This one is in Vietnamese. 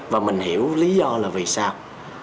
và mình hiểu lý do là vì sao